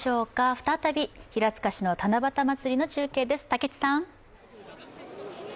再び平塚市の七夕まつりの中継です。